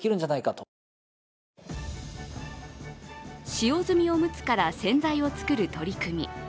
使用済みおむつから洗剤を作る取り組み。